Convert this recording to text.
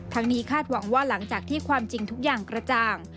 นี้คาดหวังว่าหลังจากที่ความจริงทุกอย่างกระจ่าง